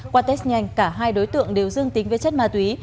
qua test nhanh cả hai đối tượng đều dương tính với chất ma túy